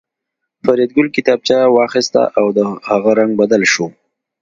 فریدګل کتابچه واخیسته او د هغه رنګ بدل شو